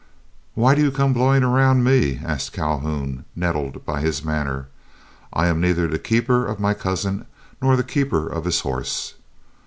"Why do you come blowing around me?" asked Calhoun, nettled by his manner, "I am neither the keeper of my cousin nor the keeper of his horse."